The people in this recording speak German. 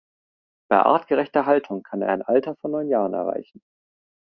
Bei artgerechter Haltung kann er ein Alter von neun Jahren erreichen.